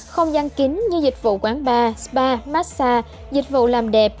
không gian kính như dịch vụ quán bar spa massage dịch vụ làm đẹp